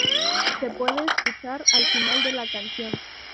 Se puede escuchar al final de la canción.